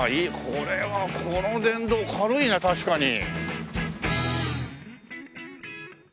これはこの電動軽いな確かに。